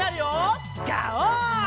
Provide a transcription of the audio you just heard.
ガオー！